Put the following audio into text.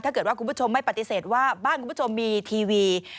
ถ้าเกิดว่าคุณผู้ชมไม่ปฏิเสธว่าบ้านคุณผู้ชมมีทีวี